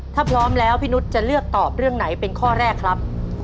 ถ้าพร้อมแล้วพี่นุษย์จะเลือกตอบเรื่องไหนเป็นข้อแรกครับ